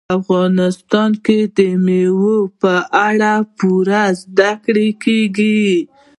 په افغانستان کې د مېوو په اړه پوره زده کړه کېږي.